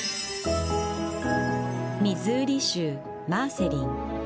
ミズーリ州マーセリン